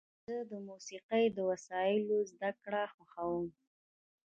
زه د موسیقۍ د وسایلو زدهکړه خوښوم.